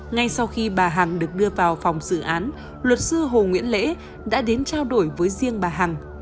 ngay sau khi bà hằng được đưa vào phòng xử án luật sư hồ nguyễn lễ đã đến trao đổi với riêng bà hằng